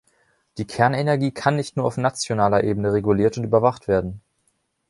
Die Kernenergie kann nicht nur auf nationaler Ebene reguliert und überwacht werden.